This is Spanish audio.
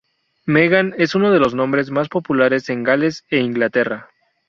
Megan es uno de los nombres más populares en Gales e Inglaterra.